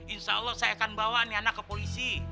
insya allah saya akan bawa niana ke polisi